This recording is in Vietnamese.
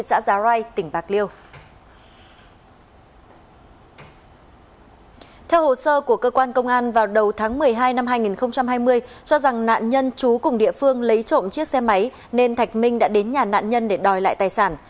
theo hồ sơ của cơ quan công an vào đầu tháng một mươi hai năm hai nghìn hai mươi cho rằng nạn nhân chú cùng địa phương lấy trộm chiếc xe máy nên thạch minh đã đến nhà nạn nhân để đòi lại tài sản